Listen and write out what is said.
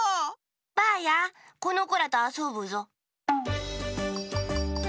ばあやこのこらとあそぶぞ。